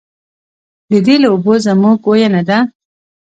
د دې اوبه زموږ وینه ده؟